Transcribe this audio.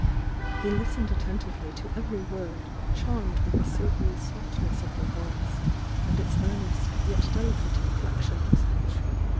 He listened attentively to e.'ery word,— charmed with the silvery softness of her voice and its earnest yet delicate inflections.